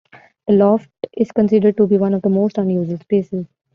The loft is considered to be one of the most unusual spaces.